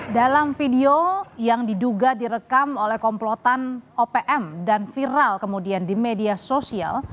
dalam video yang diduga direkam oleh komplotan opm dan viral kemudian di media sosial